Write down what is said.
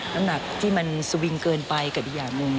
น้ำหนักที่มันสวิงเกินไปกับอีกอย่างหนึ่ง